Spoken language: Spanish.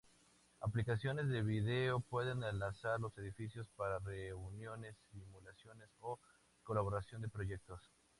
Aplicaciones de vídeo pueden enlazar los edificios para reuniones, simulaciones o colaboración de proyectos.